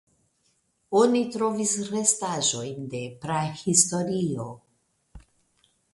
Oni trovis restaĵojn de prahistorio.